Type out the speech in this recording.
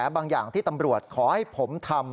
เพราะว่ามีทีมนี้ก็ตีความกันไปเยอะเลยนะครับ